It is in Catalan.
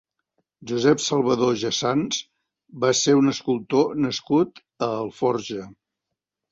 Josep Salvadó Jassans va ser un escultor nascut a Alforja.